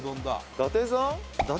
「伊達さん？